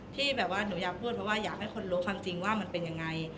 ที่แบบว่าหนูอยากพูดเพราะว่าอยากให้คนรู้ความจริงว่ามันเป็นยังไง